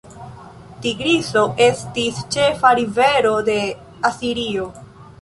Tigriso estis ĉefa rivero de Asirio.